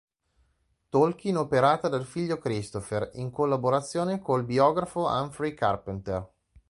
Tolkien operata dal figlio Christopher, in collaborazione col biografo Humphrey Carpenter.